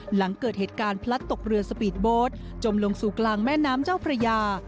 หลังเกิดเหตุการณ์พลัดตกเรือสปีดโบสต์จมลงสู่กลางแม่น้ำเจ้าพระยา